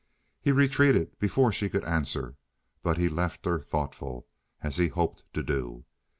He retreated before she could answer, but he left her thoughtful, as he hoped to do.